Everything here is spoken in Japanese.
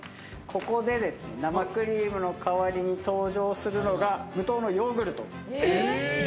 ここで生クリームの代わりに登場するのが、無糖のヨーグルト。